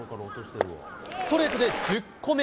ストレートで１０個目。